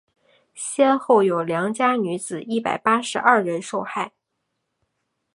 先后有良家女子一百八十二人受害。